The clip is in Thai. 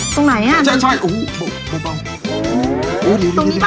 ตรงไหนตรงไหนห้างไหนอ่ะ